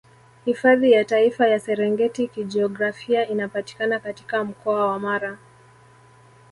Hifadhi ya Taifa ya Serengeti Kijiografia inapatikana katika mkoa wa Mara